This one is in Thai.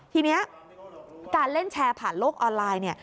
ทีนี้การเล่นแชร์ผ่านโลกออนไลน์